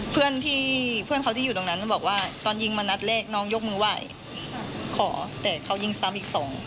เพื่อนเขาที่อยู่ตรงนั้นบอกว่าตอนยิงมานัดเลขน้องยกมือว่ายขอแต่เขายิงซ้ำอีก๒